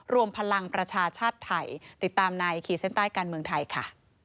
รวมพลังประชาชาติไทยติดตามในขีดเส้นใต้การเมืองไทยค่ะ